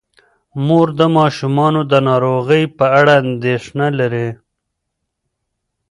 مور د ماشومانو د ناروغۍ په اړه اندیښنه لري.